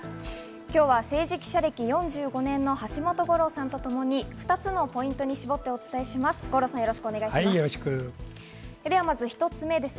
今日は政治記者歴４５年の橋本五郎さんとともに２つのポイントに絞ってお伝えします。